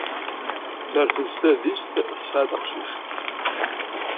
Terfed s tadist, tesɛa-d aqcic.